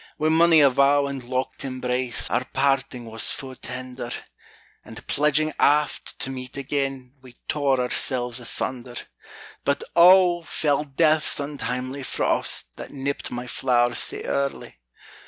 Wi' monie a vow and locked embrace Our parting was fu' tender; And pledging aft to meet again, We tore ourselves asunder; But, oh! fell death's untimely frost, That nipt my flower sae early!